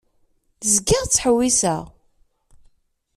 Zgiɣ ttḥewwiseɣ.